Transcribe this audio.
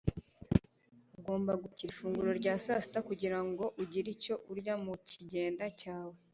Ugomba gupakira ifunguro rya sasita kugirango ugire icyo urya mukigenda cyawe.